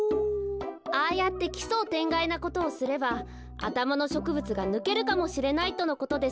ああやって奇想天外なことをすればあたまのしょくぶつがぬけるかもしれないとのことです。